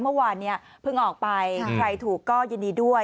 เมื่อวานพึ่งออกไปใครถูกก็ยินดีด้วย